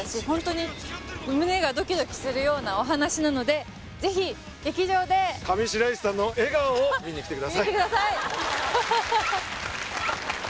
ホントに胸がドキドキするようなお話なのでぜひ劇場で上白石さんの笑顔を見にきてください